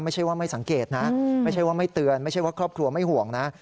ไม่ใช่ว่าไม่สังเกตนะไม่ใช่ว่าไม่เตือนไม่ใช่ว่าครอบครัวไม่ห่วงนะ